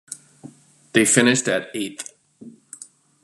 They finished at eighth.